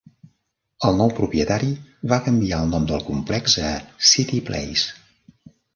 El nou propietari va canviar el nom del complex a City Place.